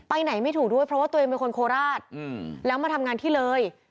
ไหนไม่ถูกด้วยเพราะว่าตัวเองเป็นคนโคราชแล้วมาทำงานที่เลย